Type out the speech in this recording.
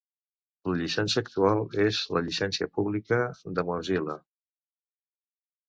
La llicència actual és la Llicencia Pública de Mozilla.